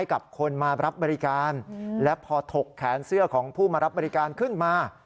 กับคนมารับบริการและพอถกแขนเสื้อของผู้มารับบริการขึ้นมา